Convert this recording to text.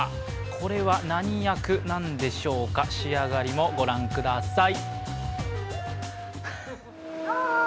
これは何役なんでしょうか、仕上がりもご覧ください。